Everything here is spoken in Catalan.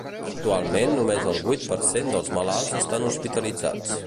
Actualment només el vuit per cent dels malalts estan hospitalitzats.